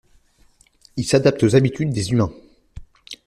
Ils s’adaptent aux habitudes des humains.